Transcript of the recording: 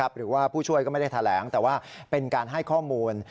หรือว่าผู้ช่วยก็ไม่ได้แถลงแต่ว่าเป็นการให้ข้อมูล